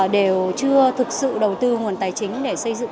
đều chưa thực sự đầu tư nguồn tài chính để xây dựng